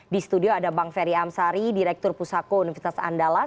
di studio ada bang ferry amsari direktur pusako universitas andalas